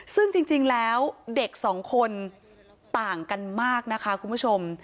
ซึ่งจริงแล้วเด็กสองคนต่างกันมากนะคะคุณผู้ชม